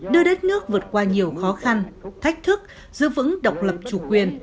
đưa đất nước vượt qua nhiều khó khăn thách thức giữ vững độc lập chủ quyền